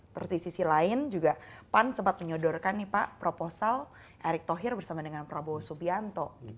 terus di sisi lain juga pan sempat menyodorkan nih pak proposal erick thohir bersama dengan prabowo subianto